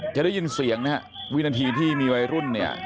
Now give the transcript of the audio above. จะได้ยินเสียงนะฮะวินาทีที่มีวัยรุ่นเนี่ย